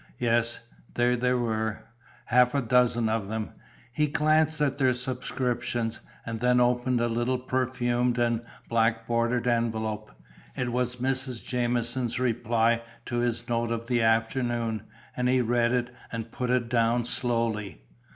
Yes, there they were, half a dozen of them. He glanced at their superscriptions, and then opened a little perfumed and black bordered envelope. It was Mrs. Jamieson's reply to his note of the afternoon, and he read it and put it down slowly.